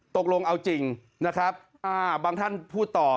ตกลงเอาจริงนะครับบางท่านพูดต่อ